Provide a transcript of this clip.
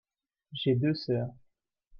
J'ai deux sœurs.